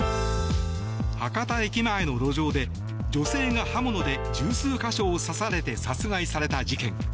博多駅前の路上で女性が刃物で１０数か所を刺されて殺害された事件。